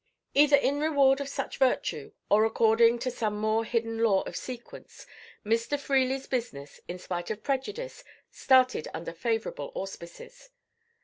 Either in reward of such virtue, or according to some more hidden law of sequence, Mr. Freely's business, in spite of prejudice, started under favourable auspices.